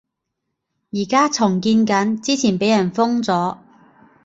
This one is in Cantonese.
而家重建緊，之前畀人封咗